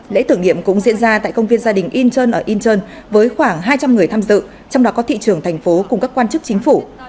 lễ tưởng niệm cũng diễn ra tại công viên gia đình incheon ở incheon với khoảng hai trăm linh người tham dự trong đó có thị trường thành phố cùng các quan chức chính phủ